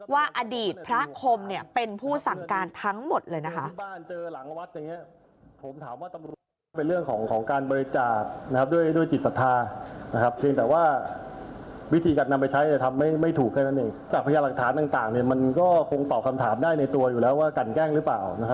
ว่าอดีตพระคมเป็นผู้สั่งการทั้งหมดเลยนะคะ